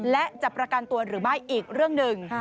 และจะประกันตัวหรือไม่อีกเรื่องหนึ่ง